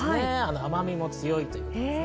甘みも強いということです。